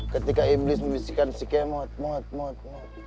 ketika iblis membisikkan si kemot